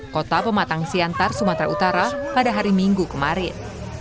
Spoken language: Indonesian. kota pematang siantar sumatera utara pada hari minggu kemarin